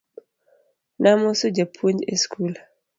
Namoso japuonj e skul